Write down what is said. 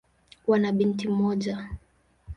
Wana binti mmoja.